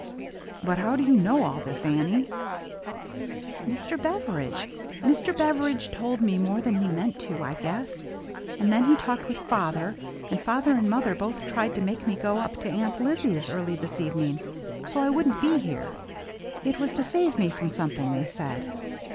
" But how do you know all this, Annie ?"" Mr. Beveridge — Mr. Beveridge told me more than he meant to, I guess. And then he talked with father. And father and mother both tried to make me go up to Aunt Lizzie's early this evening, so I wouldn't be here. It was to save me from something, they said.'